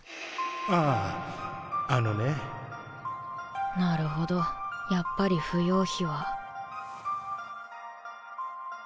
あぁあのねなるほどやっぱり芙蓉妃は。